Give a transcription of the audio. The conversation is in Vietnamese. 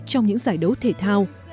trong những giải đấu thể thao